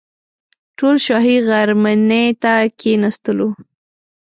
ټول شاهي غرمنۍ ته کښېنستلو.